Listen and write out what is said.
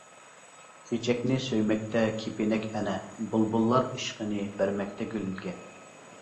چېچەكنى سۆيمەكتە كېپىنەك ئەنە، بۇلبۇللار ئىشقىنى بەرمەكتە گۈلگە.